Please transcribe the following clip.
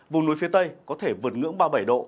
vùng núi phía tây có thể vượt ngưỡng ba mươi bảy độ